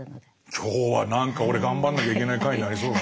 今日は何か俺頑張んなきゃいけない回になりそうだな。